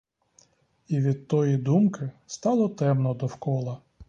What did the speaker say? І від тої думки стало темно довкола.